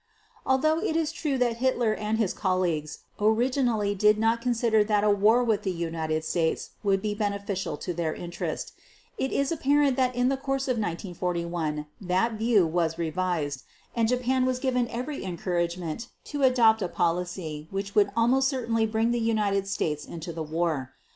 Although it is true that Hitler and his colleagues originally did not consider that a war with the United States would be beneficial to their interest, it is apparent that in the course of 1941 that view was revised, and Japan was given every encouragement to adopt a policy which would almost certainly bring the United States into the war.